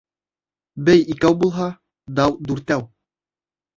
Бей икәү булһа, дау дүртәү.